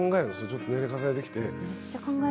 ちょっと年齢重ねてきて。